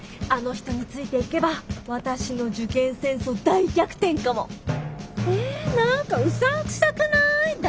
あの人についていけば私の受験戦争大逆転かも！え何かうさんくさくない？